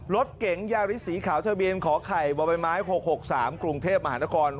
รถเก๋งยาริสสีขาวทะเบียนขอไข่บใบไม้๖๖๓กรุงเทพมหานคร